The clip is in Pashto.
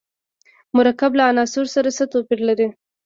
مرکب له عنصر سره څه توپیر لري.